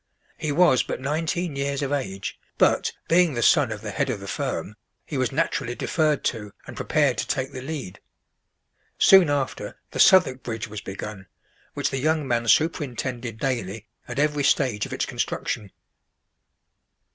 He was but nineteen years of age; but, being the son of the head of the firm, he was naturally deferred to and prepared to take the lead. Soon after, the Southwark Bridge was begun, which the young man superintended daily at every stage of its construction.